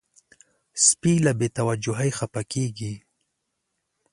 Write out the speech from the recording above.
سپي له بې توجهۍ خپه کېږي.